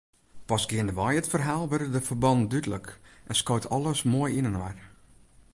Pas geandewei it ferhaal wurde de ferbannen dúdlik en skoot alles moai yninoar.